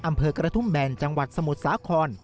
อำเภอกระทุ่มแบนจังหวัดสมุทรสาคร